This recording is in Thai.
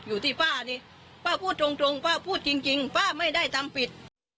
อยู่ที่ป้านี่ป้าพูดตรงตรงป้าพูดจริงป้าไม่ได้ทำผิด